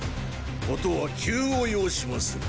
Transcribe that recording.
ことは急を要しまする。